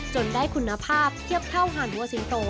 จนได้คุณภาพเทียบเท่าหัวสิงโต